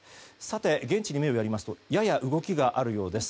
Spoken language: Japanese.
現地に目を向けますとやや動きがあるようです。